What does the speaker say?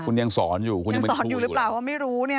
คุณยังสอนอยู่หรือเปล่า